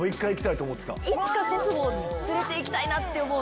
いつか祖父母を連れて行きたいなって思う。